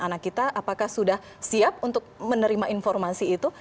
anak kita apakah sudah siap untuk menerima informasi itu